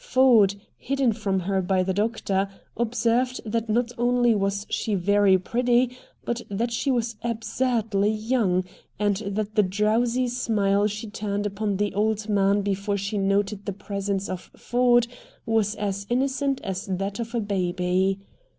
Ford, hidden from her by the doctor, observed that not only was she very pretty, but that she was absurdly young, and that the drowsy smile she turned upon the old man before she noted the presence of Ford was as innocent as that of a baby.